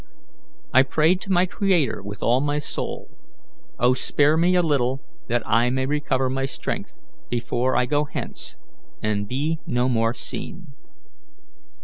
I prayed to my Creator with all my soul, 'O spare me a little, that I may recover my strength, before I go hence, and be no more seen.'